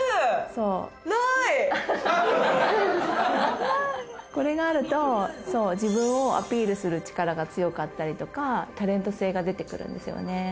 そうこれがあると自分をアピールする力が強かったりとかタレント性が出てくるんですよね